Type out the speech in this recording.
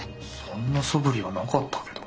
そんなそぶりはなかったけど。